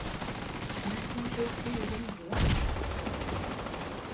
Anh thương tui chi hung rứa